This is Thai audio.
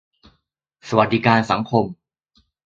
สวัสดิการสังคม